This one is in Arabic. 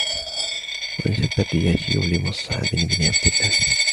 وَأَنْشَدَ الرِّيَاشِيُّ لِمُصْعَبِ بْنِ عَبْدِ اللَّهِ